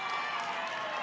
bapak juga menutup pabrik